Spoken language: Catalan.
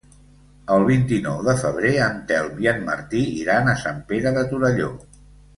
El vint-i-nou de febrer en Telm i en Martí iran a Sant Pere de Torelló.